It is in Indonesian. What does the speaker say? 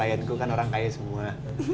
kayanku kan orang kaya semua